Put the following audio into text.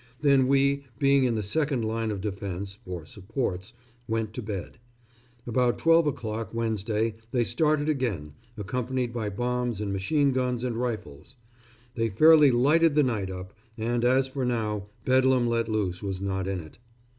Then we being in the second line of defence (or supports), went to bed. About twelve o'clock Wednesday they started again, accompanied by bombs and machine guns and rifles. They fairly lighted the night up, and as for row Bedlam let loose was not in it.